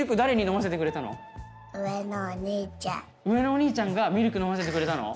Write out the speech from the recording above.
上のお兄ちゃんがミルク飲ませてくれたの？